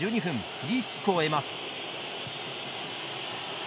フリーキックを得ます。